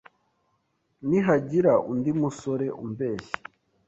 Nihagira undi musore umbeshya